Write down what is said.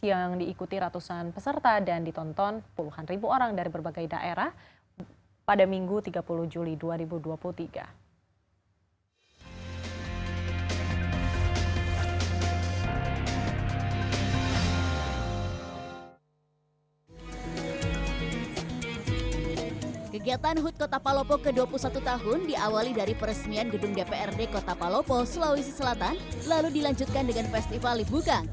yang diikuti ratusan peserta dan ditonton puluhan ribu orang dari berbagai daerah